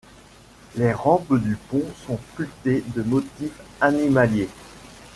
Les rampes du pont sont sculptées de motifs animaliers.